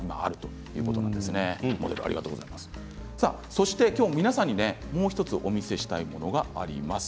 そして今日皆さんにもう１つお見せしたいものがあります。